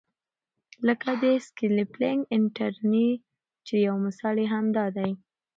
لکه د سکیلپنګ انټري چې یو مثال یې هم دا دی.